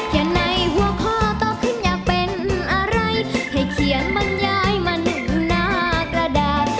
ยังไงหัวข้อโตขึ้นอยากเป็นอะไรให้เขียนบรรยายมาหนึ่งหน้ากระดาษ